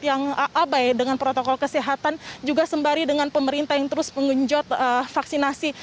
yang abai dengan protokol kesehatan juga sembari dengan pemerintah yang terus mengenjot vaksinasi